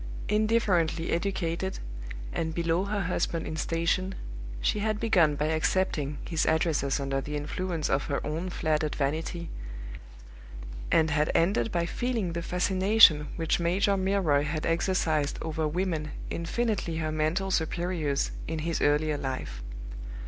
Indifferently educated, and below her husband in station, she had begun by accepting his addresses under the influence of her own flattered vanity, and had ended by feeling the fascination which Major Milroy had exercised over women infinitely her mental superiors in his earlier life.